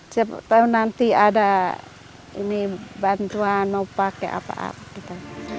saya tahu nanti ada bantuan mau pakai apa apa